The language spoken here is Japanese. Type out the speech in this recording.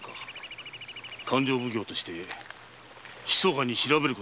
勘定奉行としてひそかに調べることがあったのかもしれぬ。